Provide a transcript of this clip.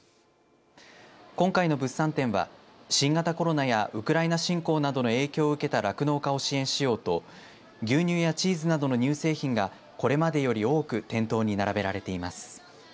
今回の物産展は新型コロナやウクライナ侵攻などの影響を受けた酪農家を支援しようと牛乳やチーズなどの乳製品がこれまでより多く店頭に並べられています。